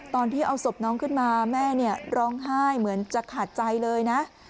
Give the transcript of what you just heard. ตอนที่เอาศพน้องขึ้นมาแม่ร้องไห้เหมือนจะขาดใจเลยนะ